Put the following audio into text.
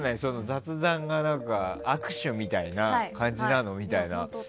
雑談が握手みたいな感じなのって。